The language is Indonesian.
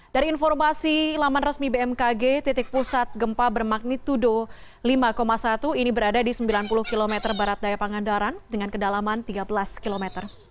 dari informasi laman resmi bmkg titik pusat gempa bermagnitudo lima satu ini berada di sembilan puluh km barat daya pangandaran dengan kedalaman tiga belas km